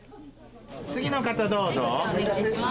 次の方、どうぞ。